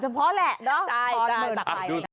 เฉพาะแหละเนอะใช่ใช่จำไฟ